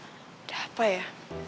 udah apa ya